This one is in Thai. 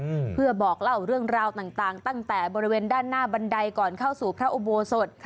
อืมเพื่อบอกเล่าเรื่องราวต่างต่างตั้งแต่บริเวณด้านหน้าบันไดก่อนเข้าสู่พระอุโบสถค่ะ